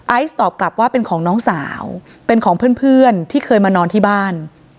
ตอบกลับว่าเป็นของน้องสาวเป็นของเพื่อนที่เคยมานอนที่บ้าน